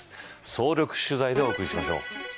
総力取材でお送りしましょう。